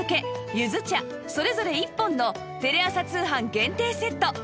ゆず茶それぞれ１本のテレ朝通販限定セット